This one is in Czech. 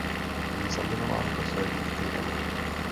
Je zamilován do své dívky Emmy.